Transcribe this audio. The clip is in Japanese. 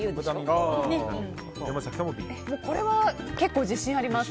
これは結構、自信があります。